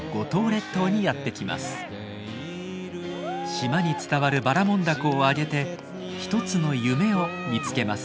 島に伝わるばらもん凧をあげて１つの夢を見つけます。